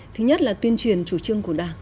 thứ nhất là tuyên truyền chủ trương của đảng